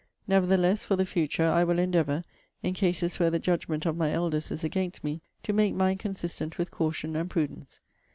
Nevertheless, for the future, I will endeavour, in cases where the judgment of my elders is against me, to make mine consistent with caution and prudence.'